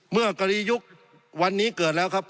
เมื่อกรียุควันนี้เกิดแล้วครับ